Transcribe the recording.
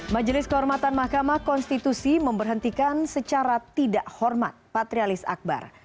majelis kehormatan mahkamah konstitusi memberhentikan secara tidak hormat patrialis akbar